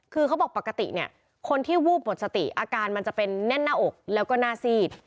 คือเขาบอกปกติเนี่ยคนที่วูบหมดสติอาการมันจะเป็นแน่นหน้าอกแล้วก็หน้าซีด